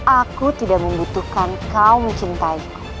aku tidak membutuhkan kau mencintaiku